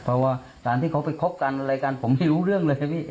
เพราะว่าการที่เขาไปคบกันอะไรกันผมไม่รู้เรื่องเลยพี่